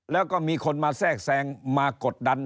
แล้วก็มีคนมาแทรกแทรงมากดดัน